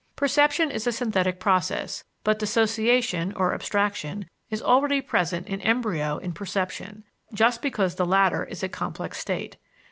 Perception is a synthetic process, but dissociation (or abstraction) is already present in embryo in perception, just because the latter is a complex state.